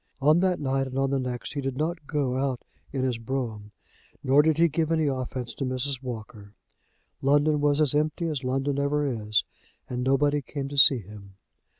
On that night and on the next he did not go out in his brougham, nor did he give any offence to Mrs. Walker. London was as empty as London ever is, and nobody came to see him.